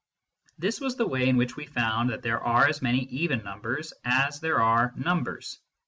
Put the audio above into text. This was the way in which we found that there are as many even numbers as there are numbers.